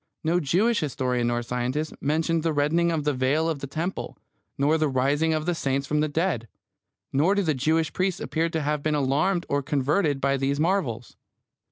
No Jewish historian nor scientist mentioned the rending of the veil of the temple, nor the rising of the saints from the dead. Nor do the Jewish priests appear to have been alarmed or converted by these marvels.